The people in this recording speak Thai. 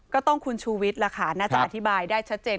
ก็ต้องคุณชูวิทย์ล่ะค่ะน่าจะอธิบายได้ชัดเจน